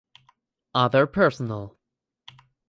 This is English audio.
Other personnel